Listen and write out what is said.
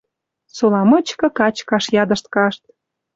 Сола мычкы качкаш ядышт кашт.